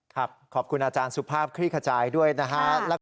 ขอบคุณอาจารย์สุภาพคลี่ขจายด้วยนะฮะ